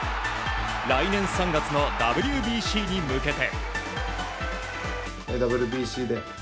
来年３月のＷＢＣに向けて。